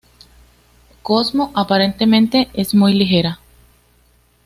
Cosmo aparentemente es muy ligera.